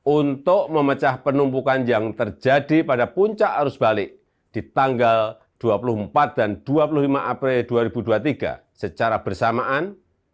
untuk memecah penumpukan yang terjadi pada puncak arus balik di tanggal dua puluh empat dan dua puluh lima april dua ribu dua puluh tiga secara bersamaan